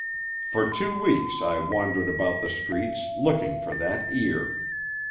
"For two weeks I wandered about the streets, looking for that ear.